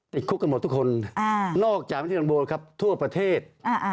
ติดคลุกกันหมดทุกคนนอกจากเมืองที่ดังโบลครับทั่วประเทศ